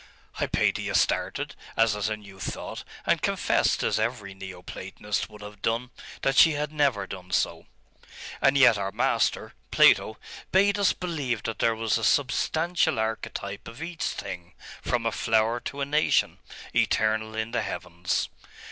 Hypatia started, as at a new thought, and confessed as every Neo Platonist would have done that she had never done so. 'And yet our master, Plato, bade us believe that there was a substantial archetype of each thing, from a flower to a nation, eternal in the heavens.